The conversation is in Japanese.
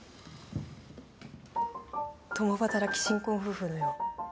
共働き新婚夫婦のよう。